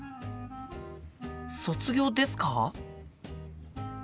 卒業ですか？